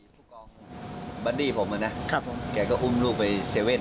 ผู้กองบรั้นดี้ผมอะนะครับผมแกก็อุ้มลูกไปเซเว่น